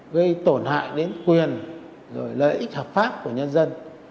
gây tổn hại đến quyền lợi ích hợp pháp của nhân dân